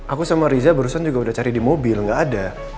aku sama riza barusan juga udah cari di mobil nggak ada